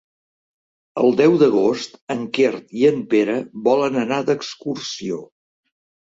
El deu d'agost en Quer i en Pere volen anar d'excursió.